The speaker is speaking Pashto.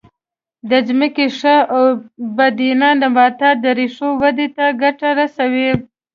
د ځمکې ښه اوبدنه د نبات د ریښو ودې ته ګټه رسوي.